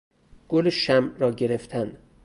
گل شمع را گرفتن